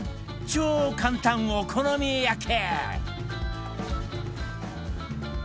超簡単お好み焼き